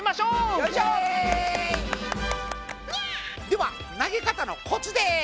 では投げ方のコツです。